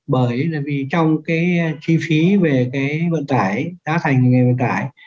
bởi vì trong cái chi phí về cái vận tải giá thành ngày vận tải